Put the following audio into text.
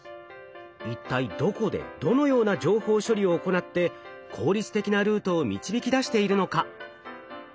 一体どこでどのような情報処理を行って効率的なルートを導き出しているのか？